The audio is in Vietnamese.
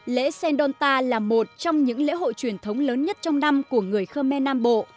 lễ sendonta là một trong những lễ hội truyền thống lớn nhất trong năm của người khmer nam bộ